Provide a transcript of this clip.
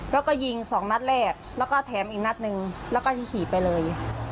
แล้วก็ยิงสองนัดแรกแล้วก็แถมอีกนัดหนึ่งแล้วก็ที่ขี่ไปเลย